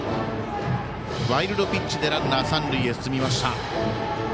ワイルドピッチでランナー、三塁へ進みました。